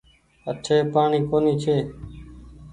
اٺي پآڻيٚ ڪونيٚ ڇي۔